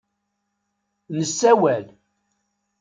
Nessawel.